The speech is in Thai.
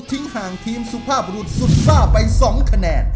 ห่างทีมสุภาพบรุษสุดซ่าไป๒คะแนน